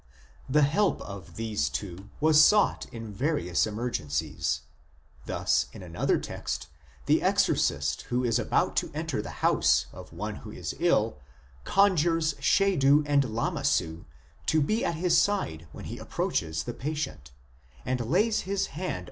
3 The help of these two was sought in various emergencies ; thus, in another text, the exorcist who is about to enter the house of one who is ill conjures Shedu and Lamassu to be at his side when he approaches the 1 = the Hebrew Shedim.